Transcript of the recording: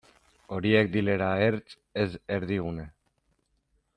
Horiek direla ertz, ez erdigune.